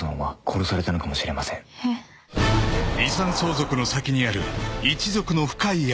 ［遺産相続の先にある一族の深い闇］